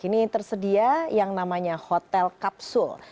ini tersedia yang namanya hotel kapsul